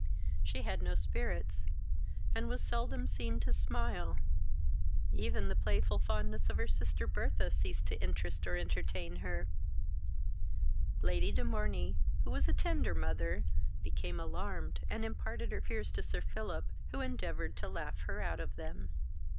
She had no spirits, and was seldom seen to smile; even the playful fondness of her sister Bertha ceased to interest or entertain her. Lady de Morney, who was a tender mother, became alarmed, and imparted her fears to Sir Philip, who endeavoured to laugh her out of them.